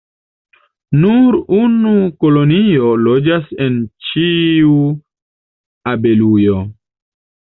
Nur unu kolonio loĝas en ĉiu abelujo.